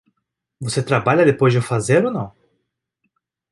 Você trabalha depois de eu fazer ou não?